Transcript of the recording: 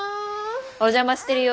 お邪魔してるよ。